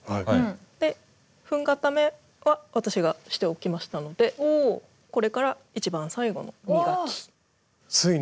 で粉固めは私がしておきましたのでこれから一番最後の磨き。